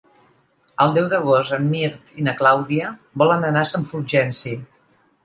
El deu d'agost en Mirt i na Clàudia volen anar a Sant Fulgenci.